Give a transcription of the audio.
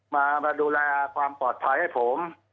มาดูแลความปลอดภัยให้ผม